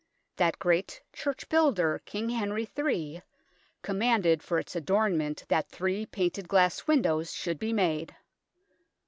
That great church builder, King Henry III, commanded for its adornment that three painted glass windows should be made.